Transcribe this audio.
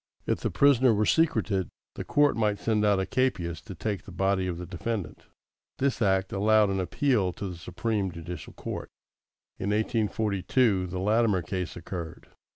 If the prisoner were secreted, the court might send out a capias to take the body of the defendant. This act allowed an appeal to the Supreme Judicial Court. In 1842, the Latimer case occurred.